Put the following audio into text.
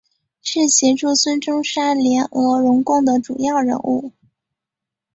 是协助孙中山联俄容共的主要人物。